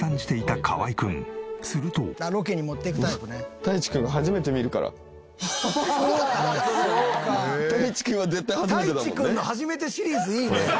「たいちくんの初めてシリーズいいね」